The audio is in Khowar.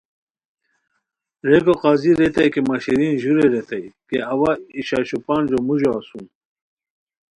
ریکو قاضی ریتائےکی مہ شیرین ژورئے ریتائےکی اوا ای شش و پنجو موژو اسوم